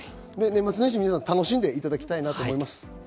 年末年始、皆さん楽しんでいただきたいなと思います。